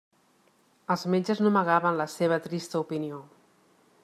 Els metges no amagaven la seua trista opinió.